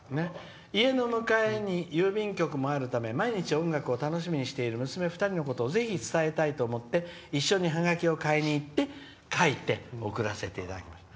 「家の向かいに郵便局もあるため毎日、音楽を楽しみにしている娘２人のことをぜひ、伝えたいと思って一緒にハガキを買いに行って書いて送らせていただきました。